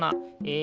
え